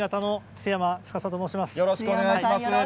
よろしくお願いします。